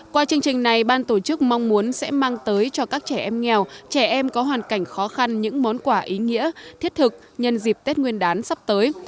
qua chương trình này ban tổ chức mong muốn sẽ mang tới cho các trẻ em nghèo trẻ em có hoàn cảnh khó khăn những món quà ý nghĩa thiết thực nhân dịp tết nguyên đán sắp tới